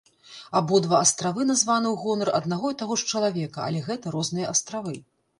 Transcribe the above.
Абодва астравы названы ў гонар аднаго і таго ж чалавека, але гэта розныя астравы.